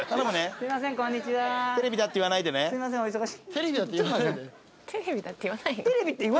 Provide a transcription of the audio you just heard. すいませんお忙し。